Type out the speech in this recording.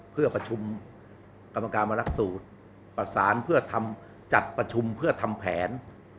เพื่อประชุมกรรมการมารักสูตรประสานเพื่อทำจัดประชุมเพื่อทำแผน